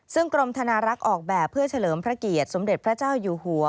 ซึ่งกรมธนารักษ์ออกแบบเพื่อเฉลิมพระเกียรติสมเด็จพระเจ้าอยู่หัว